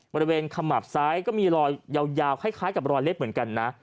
ขมับซ้ายก็มีรอยยาวคล้ายกับรอยเล็บเหมือนกันนะ